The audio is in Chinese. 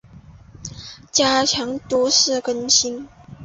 加强都市更新